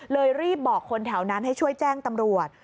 รีบบอกคนแถวนั้นให้ช่วยแจ้งตำรวจ